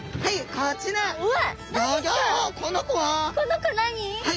この子何？